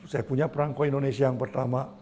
saya punya perangko indonesia yang pertama